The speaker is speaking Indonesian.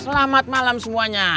selamat malam semuanya